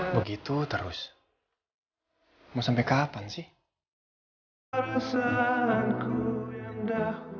begitu terus mau sampai kapan sih